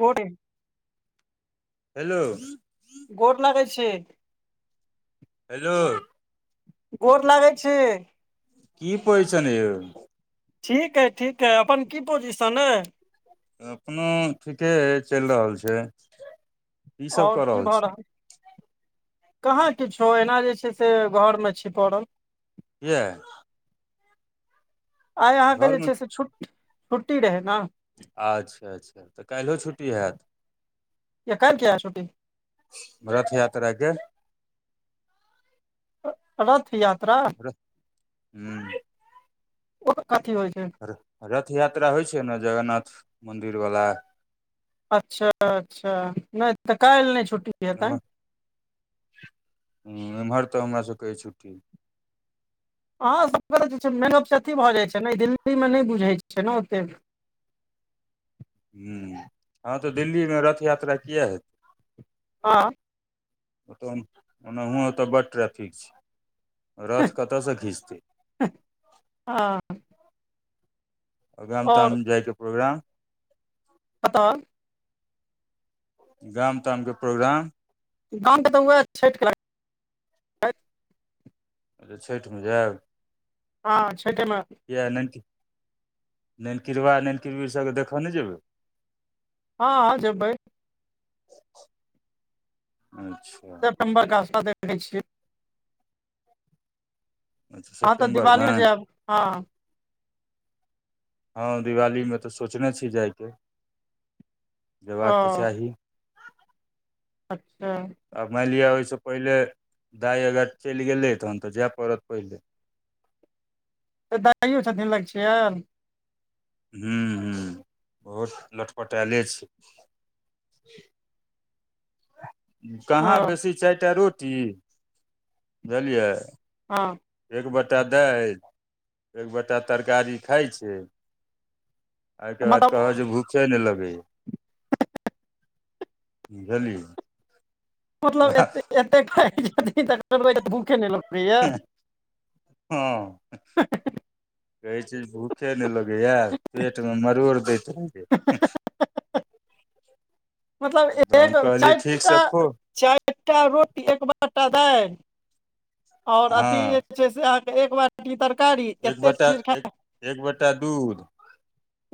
गोरे hello गोर लगै छी हेलो गोर लागै छी की पोय छनि यौ ठीक है ठीक है अपन की पोजिशन अय अपनो ठीके हय चलि रहल छै की सब आओर कऽ की भऽ छी रहल कहाँ किछु एना जे छै से घरमे छीपड़ल कियअ आइ अहाँके जे घरमे छै से छुट्टी छुट्टी रहै ने अच्छा अच्छा तऽ काल्हिओ छुट्टी हयैत या काइल किया हेयत छुट्टी रथ यात्रा के रथ यात्रा हुँ ओ कथी होइ छै रथ यात्रा होइ छै ने जगन्नाथ मन्दिर बला अच्छा अच्छा नहि तऽ काइल नहि छुट्टी हेतनि एमहर एमहर तऽ हमरा सबके छुट्टी अहाँ सबके जे छय मेन अथी भऽ जाइत छै ने दिल्लीमे नहि बुझैत छै ने ओतेक ह हँ तऽ दिल्लीमे रथ यात्रा किए हेतै हँ ओतऽ ओनाहु ओतऽ बड्ड ट्रैफिक छै रथ कतऽसँ घिचतै हँ हाँ आ गाम आओर ताम जायके प्रोग्राम पताल [inaudible] गाम ताम के प्रोग्राम गाँव के तऽ उहा छठि कें छठिमे जायब हाँ छैठेम यए नन ननकीरबा ननकीरबी सबके देखऽ नहि जेबै हँ हाँ जेबै अच्छा सेप्टम्बरके आशा देखैत छियै अच्छा हँ तऽ सेप्टेम्बरमे दिवाली जायब हँ हँ दिवालीमे तऽ सोचने छी जाइके ओ जेबाक तऽ चाही अच्छा आब मानि लिअ ओहिसँ पहिले दाइ अगर चलि गेलै तहन तऽ जाय पड़त पहिले तऽ दइयो छथि लग छियैन हँ बहुत लटपटायले छै ओ कहाँ बेसी चारिटा रोटी बुझलियै हँ एक बटा दालि एक बटा तरकारी खाइ छै तऽ आइके बाद मतलब कहियै भूख चल, नहि लेब बुझलि मतलब एते-एते छथि तऽ लेबै तऽ भूखे नहि लगतै हँ हँ हँ हँ कहैत छै जे भूखे नहि लगैए, पेटमे मरोड़ दैत रहैए हँ हँ हँ, मतलब तऽ हम एक कहलियै ठीक से चारिटा खो चारिटा रोटी, एक बटा दालि आओर हँ तरकारी छै से अहाँके एक बेर बाटी तरकारी एक बटा दूध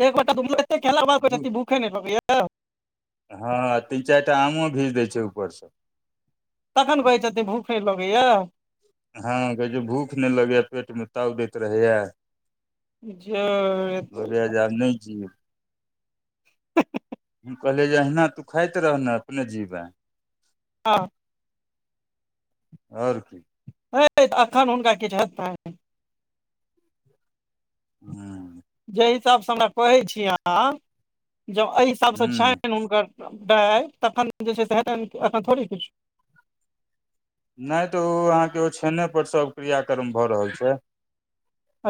एक बटा दूध खेलाक बाद दू तऽ भूखे नहि लगैय हँ, तीन-चारिटा आमो घींच दै छै ऊपरसँ तखन कहै छथि, भूख नहि लगैय हँ, कहै छै भूख नहि लगैए पेटमे ताव दैत रहैए जे लागैए जे आब नहि जिअए हँ हँ हँ कहले जे अहिना तूँ खाइत रहनै, अपने जीवै हँ ओर हँ, तऽ एखन हुनका किछु हेतै हू जाहि हिसाब सँ हमरा कहैत छी, अहाँ जँ एहि हिसाब सँ हूँ छियनि हुनकर। जिस हिसाब से आप मुझे बता रहे हैं, अगर वह इसी हिसाब से उनके हैं तखन जे छै, से एखन थोड़े किछु नहि तऽ ओ अहाँक ओछैने पर सभ क्रियाक्रम भऽ रहल छै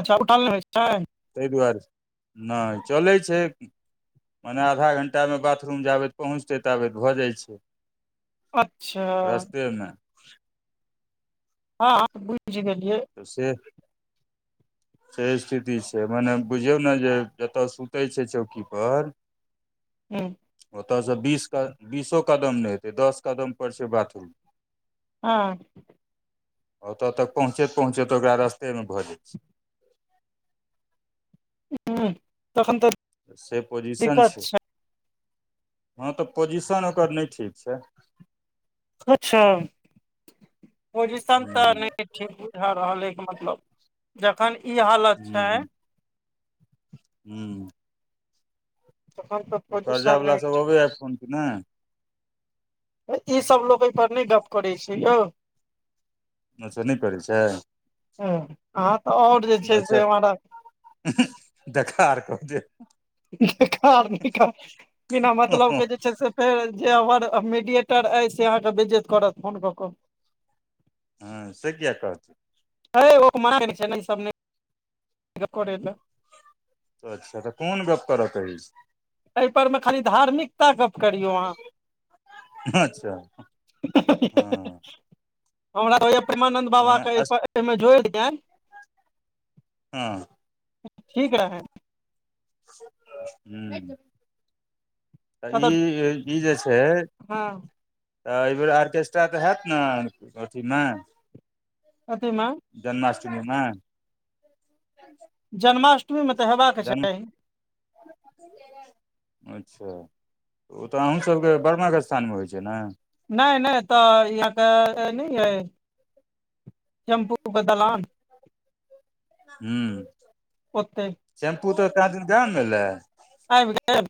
अच्छा, उठल नहि होइत छै ताहि दुआरे नहि चलैत छै माने आधा घण्टामे बाथरूम जाए पहुँचैत-पहुँचैत भऽ जाइ छै अच्छा त ने हँ, बुझि गेलियै से से स्थिति छै, माने बुझियौ ने जे जतय सुतैत छै, चौकी पर हु ओतय सँ बीस कदमो नहि हेतै, दस कदम पर बाथरूम छै हँ ओतय तक पहुँचैत-पहुँचैत ओकरा रास्तामे भऽ जाइ छै [inaudible] तखन तऽ से पोजिशन छै, हँ तऽ ओकर पोजिशन ठीक नहि छै अच्छा पोजिशन तऽ हूँ नहि ठीक बुझा रहल छी के मतलब, जखन ई हालत छै हू तखन तऽ पोजिशन कर्जावला नहि सभ आबै छथि या ठीक फोन करैत छथि ई सभ लोक एहि पर नहि गप करैत छै यौ अच्छा नहि करै छै ह अहां तऽ आओर जे छै अच्छा से हमरा देखार क दे बिना मतलब के जे छै से फेर जे हमर मीडियएटर अय से अहाँके बेज्जैत करत फोन कऽ क हँ से किया कह हैय ओ मना केने छै ने ई सब नै करय लय अच्छा तऽ कोन गप करऽ के अछि अहि पर मे खाली धार्मिकता गप्प करियौ अहाँ अच्छा हँ हमरा त होइया प्रेमानन्द बाबा ओना के अस अहिपर अहिमे जोइर दियनि हँ ठीक रहेन हू तऽ ई मतलब ई जे छै हँ तऽ एहि बेेर आर्केस्ट्रा तऽ हेत ने अथीमे कथी म जन्माष्टमी में [unintelligible] जन्माष्टमीमे तऽ हेबाक जन्म चाही [unintelligible] अच्छा ओ तऽ अहूँ सबके बर्माके स्थानमे होइ छै न नहि नहि एतऽ यहाँके नहि अय दलान [unintelligible] ह ओते शैम्पू तऽ दादी देए एलनि आइब गेल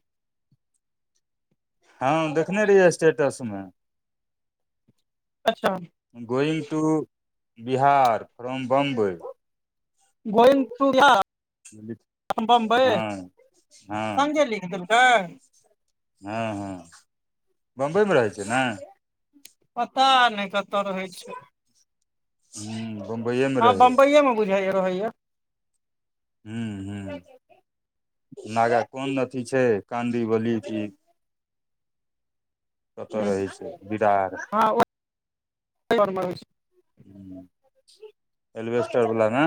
हँ देखने रहियै स्टेटस मे अच्छा going to Bihar from Bombay going to Bihar from Bombay हँ हँ संगे लिख देलकय हँ हँ बम्बइमे रहै छै ने पता नहि क तअ रहय छै हूँ बम्बइएमे हां रहै बम्बईये में बुझाईया रहय या ह ह नागा कोन अथी छै काँदी बली की कतऽ हूँ रहै छै बिराड़ हँ मे होइ छै ह ऐलवेस्टर बला मे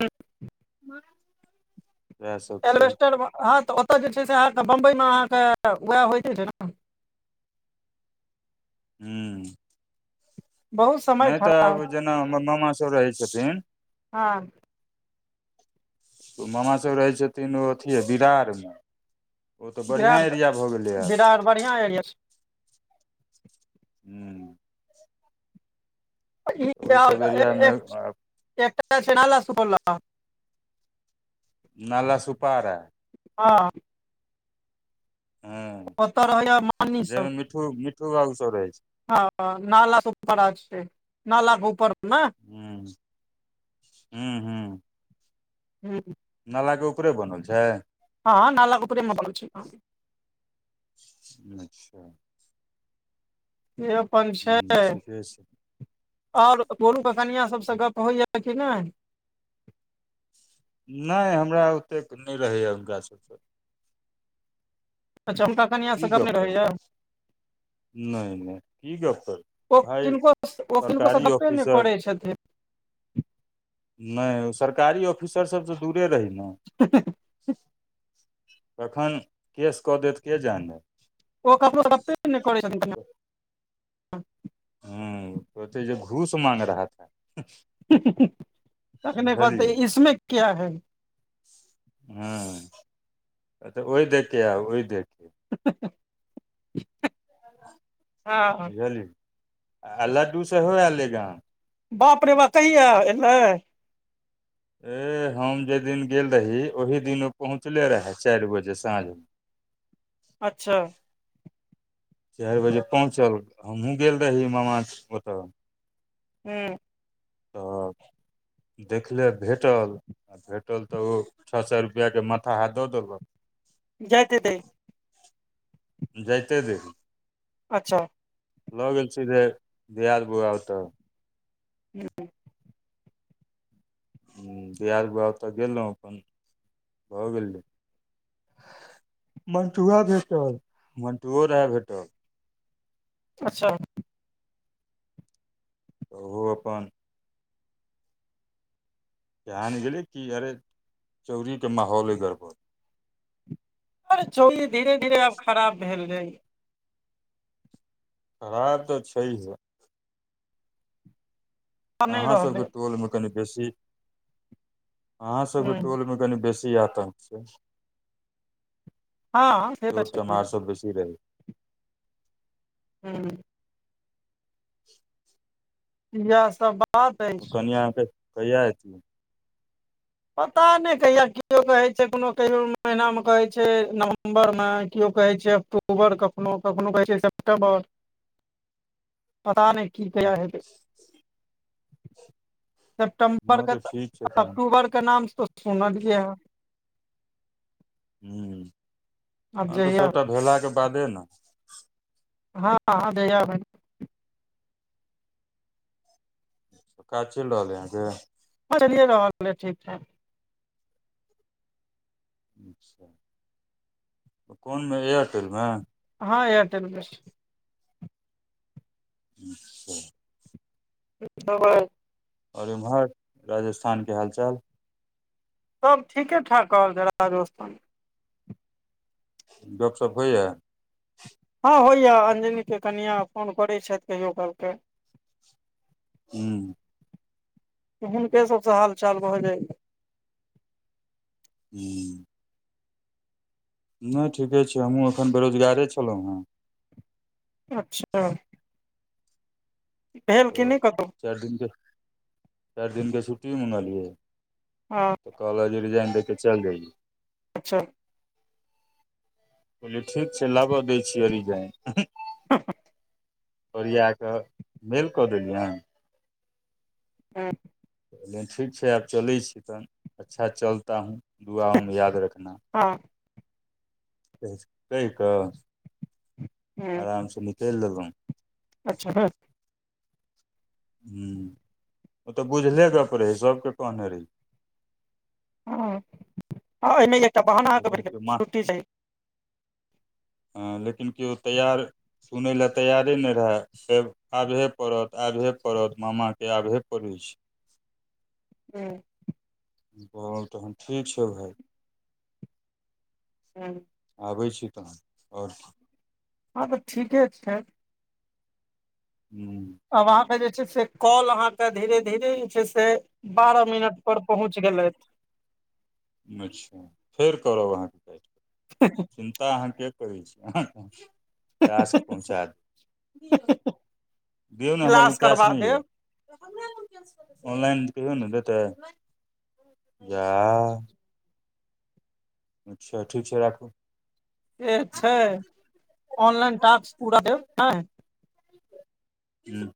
ठीक [unintelligible] छै एलवेस्टर हँ तऽ ओतय जे छै से अहाँ के बम्बई मे अहाँ के वएह होइते छै ने हू बहुत समय नहि तऽ आब खराब जेना हमर मामा सभ रहै छथिन हँ मामा सब रहै छथिन ओ अथी हय बिरार मे आब बिरार बढ़िआँ एरिया छै हू ओहिसभ इ एरियामे एकटा छै नाला सोलह नाला सुपारा हँ हँ ओतऽ रहैया मामी सब जाहिमे मिठ्ठू मिठ्ठू बाबू सब रहै छै हँ नाला सुपारा छै नाला के ऊपर मे हुँ हुँ-हुँ हुँ नालाकें उपरे बनल छै हाँ हाँ नालाकें उपरे मे बनल छै घर हू से अपन छै ह्म ठीके छै और गोलू के कनियाँ सब सँ गप्प होइया कि नहि नहि हमरा ओतेक नहि रहैए हुनका सभसँ अच्छा हुनका कनियाँ से की गप नै‌ करू रहैया नहि नहि की गप ओ भाय किनको ओ किनको से सरकारी गप्पे नहि ऑफिसर करै छथिन नहि ओ सरकारी ऑफिसर सब सँ दूरे रही ने हिं हह कखन केस कऽ देत के जाने ओ ककरो सँ गप्पे नै‌ करै छथिन हुँ कहते जे घूस माँग रहा था हुँ हह तखने कहते बुझलियै इसमे क्या है हूँ तऽ ओहि देख आउ ओहि देख हँ हह हँए बुझलिय आ लड्डू सेहो ऐल रहै गांव बाप रे बा कहिया ऐलह ए हम जाहि दिन गेल रही ओही दिन ओ पहुँचले रहए चारि बजे साँझ में [inaudible] अच्छा चारि बजे पहुँचल हमह हुँ गेल रही मामा ओतऽ हूँ तऽ देखले भेटल भेटल तऽ ओ छः सए रुपैआ के माथा हाथ दऽ देलक जाइत हैतेय जायइते रहे अच्छा लऽ गेल सीधे दआद बौआ ओतऽ हुं हुँ दिआद बौआ ओतऽ गेलहुँ भऽ गेलै मन्टुआ भेटल मन्टुओ रहै भेटल अच्छा ओहो अपन किजान गेले कि अरे चौड़ी के माहौल अय गड़बड़ अरे चौरी धीरे धीरे आब खराब भेल जाय छै खराब त छैहे आब नहि अहाँ रहलै सबके टोल मे कनि बेसी अहाँ सबके हूँ टोल मे कनि बेसी आतंक छै हँ से तऽ चोर छैहे चमार सब बेसी रहै हुँ हं [inaudible] इएह सब बात अछि कनिया अहाँ कहिया एत्ती पता नहि कहिया केओ कहैत छै कोनो कहियओ महिनामे कहैत छै नवम्बरमे केओ कहैत छै अक्टूबर कखनो कखनो कहैत छै सेप्टेंबर हं [inaudible] पता नहि की कहिया हेतै सेप्टेंबर हँ क तऽ त ठीक छै तहन अक्टूबर के नाम तऽ सुनलियै ह हू हू आब तऽ सभटा भेलाके बादे न हँ हँ जहिया काज चलि रहलै आहा के ह चलियए रहलै ठीक ठाक अच्छा कोनमे एयरटेलमे हँ एयरटेल में हँ [unintelligible] आओर एम्हर राजस्थान के हालचाल सब ठीके ठाक कहल जाइत छै राजस्थान गपशप होइए हँ होइया अंजनि के कनियाँ फोन करैत छथि कहियो कालके हू हुनके सबसँ हालचाल भऽ जाइ हू नहि ठीके छै हमहूँ एखन बेरोजगारे छलहुँ हेँ अच्छा भेल कि तऽ नहि कतहु चारि दिनके चारि दिनके छुट्टी मँगेलियै हँ कहले जे रिजाइन देके चलि जाइय अच्छा बोलिए ठीक छै लाबऽ दै छियै रिजाइन हू ओरिया कऽ मेल कऽ देलियै हँ हँ कहलियै ठीक छै आब चलै छी तऽ अच्छा चलता हूँ दुआओमे याद रखना हँ कहि कऽ ह आराम से निकलि दहुँ अच्छा हँ हँ ओ तऽ बुझले गप रहै ह सबके कहने रहै ह एहिमे एकटा बहाना अहाँके भेट गेल छुट्टी चाही हँ लेकिन केओ तैयार सुनै लए तैयारे नहि रहए आबहे पड़त आबहे पड़त मामाके आबहे पड़ै छै हँ तहन ठीक छौ भाई हँ आबै छी तहन आओर हँ तऽ ठीके छै हुं आ वहाँ पर जे छै से कौल अहाँ के धीरे धीरे जे छै से बारह मिनट पर पहुँच गेलथि अच्छा फेर करब अहाँ के कॉल ह चिन्ता अहाँ किया करै छी कैश पहुँचा देब दियौ ने हमरा लग क्लास कैश करबा नहि यऽ देब ऑनलाइन कहिओ ने देतय जा आ अच्छा ठीक छै राखू से छै ऑनलाइन टास्क पूरा यौ नहि हुँ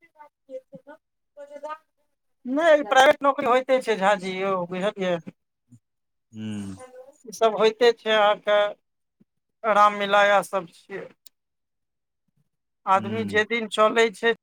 नहि प्राइवेट नौकरी होयइते छै झाजी यौ बुझलिय हुं ई सब होइते छै अहाँ के राम मिलाया इ सब छियै आदमी हूँ जे दिन चलै छै